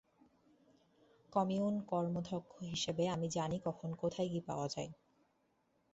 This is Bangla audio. কমিউন কর্মধ্যক্ষ হিসেবে আমি জানি কখন কোথায় কি পাওয়া যায়।